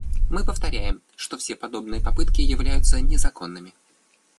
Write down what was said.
Мы повторяем, что все подобные попытки являются незаконными.